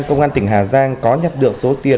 công an tỉnh hà giang có nhận được số tiền